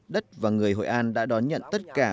đất và người hội an đã đón nhận tất cả